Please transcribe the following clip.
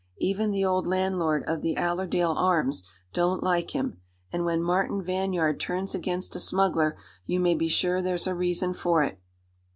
Even the old landlord of the Allerdale Arms don't like him; and when Martin Vanyard turns against a smuggler you may be sure there's a reason for it."